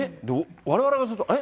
われわれからすると、え？